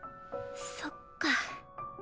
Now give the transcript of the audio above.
そっか。